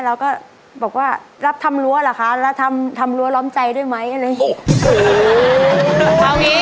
เราก็บอกว่ารับทำรั้วเหรอคะแล้วทำทำรั้วล้อมใจด้วยไหมอะไรอย่างนี้